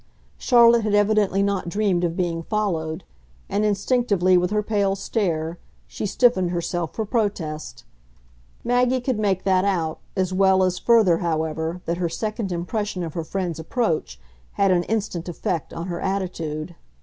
Charlotte had evidently not dreamed of being followed, and instinctively, with her pale stare, she stiffened herself for protest. Maggie could make that out as well as, further, however, that her second impression of her friend's approach had an instant effect on her attitude.